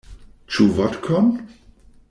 Ĉu vodkon?